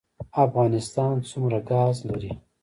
افغانستان څومره ګاز لري؟